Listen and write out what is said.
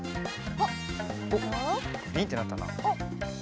おっグリンってなったな。